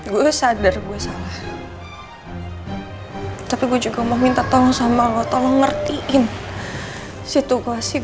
gue sadar gue salah tapi gue juga mau minta tolong sama lo tolong ngertiin situasi